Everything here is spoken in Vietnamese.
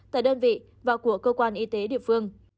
tại đơn vị và của cơ quan y tế địa phương